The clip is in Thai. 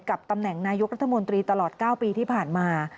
ตำแหน่งนายกรัฐมนตรีตลอด๙ปีที่ผ่านมา